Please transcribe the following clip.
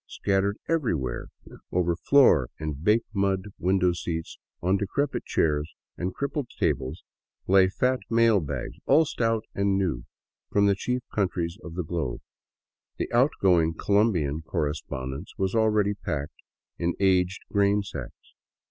Scattered everywhere, over floor and baked mud window seats, on decrepit chairs and crippled tables, lay fat mail bags, all stout and new, from the chief countries of the globe. The outgoing Colombian correspondence was already packed in aged grainsacks.